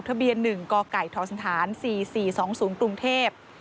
ทะเบียน๑กไก่ทศ๔๔๒๐กรุงเทพ